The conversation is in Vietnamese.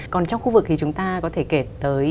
còn trong khu vực thì chúng ta có thể kể tới